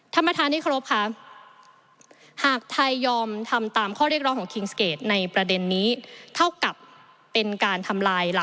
ธรรมธานิครบค่ะ